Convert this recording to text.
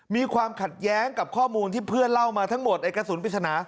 มีความขัดแย้งกับข้อมูลที่เพื่อนเล่ามาทั้งหมดไอ้กระสุนปริศนา